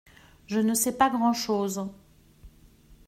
Je ne sais pas grand-chose.